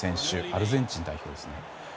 アルゼンチン代表ですね。